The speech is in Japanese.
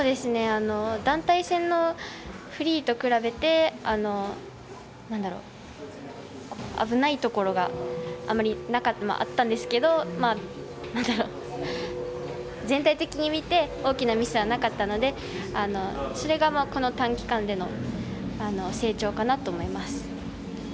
団体戦のフリーと比べて危ないところが、あまりあったんですけどなんだろう、全体的に見て大きなミスはなかったのでそれが、この短期間での成長かなと思います。